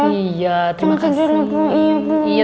iya terima kasih